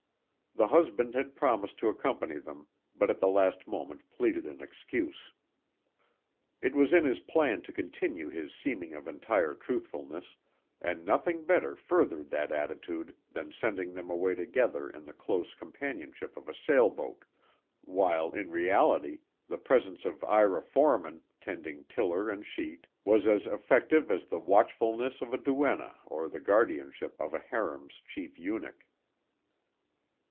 The husband had promised to accompany them, but at the last moment pleaded an excuse. It was in his plan to continue his seeming of entire trustfulness and nothing better furthered that attitude than sending them away together in the close companionship of a sail boat while, in reality, the presence of Ira Forman, tending tiller and sheet, was as effective as the watchfulness of a duenna or the guardianship of a harem's chief eunuch.